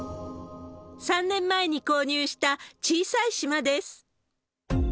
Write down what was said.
３年前に購入した小さい島です。